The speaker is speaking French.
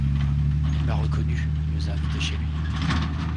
Il m’a reconnu, il nous a invités chez lui.